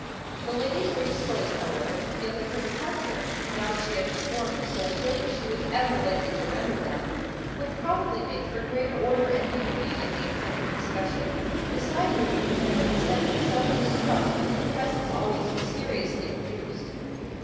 The ladies were disposed, however, to feel that her departure now that she had performed the sole service she was ever likely to render them would probably make for greater order and dignity in the impending discussion, besides relieving them of the sense of self distrust which her presence always mysteriously produced.